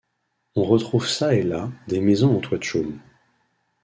On retrouve çà et là des maisons en toit de chaume.